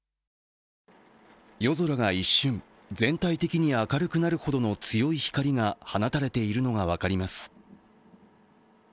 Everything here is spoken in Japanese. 夜空が一瞬、全体的に明るくなるほどの強い光が放たれているのが分かります。